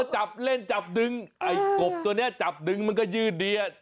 จับเล่นจับดึงไอ้กบตัวนี้จับดึงมันก็ยืดเดีย